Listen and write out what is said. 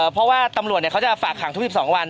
เพราะว่าตำรวจเขาจะฝากขังทุก๑๒วัน